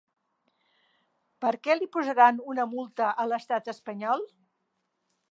Per què li posaran una multa a l'estat espanyol?